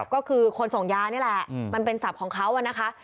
ก็คือคนส่งยานี่แหละมันเป็นศัพท์ของเขานะคะ